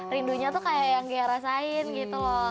rindunya tuh kayak yang ghea rasain gitu loh